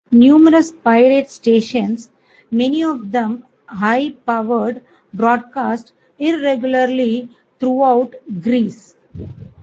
Numerous pirate stations, many of them high powered, broadcast irregularly throughout Greece.